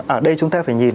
ở đây chúng ta phải nhìn